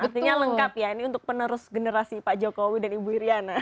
artinya lengkap ya ini untuk penerus generasi pak jokowi dan ibu iryana